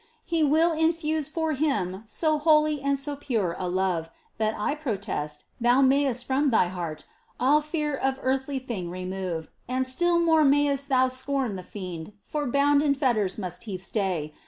31 He will infuse For Him so holy and so pure a love, That I protest, thou mayest from thy heart All fear of every earthly thing remove, And still more mayst thou scorn the fiend, for bound In fetters must he stay.